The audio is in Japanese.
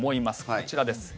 こちらです。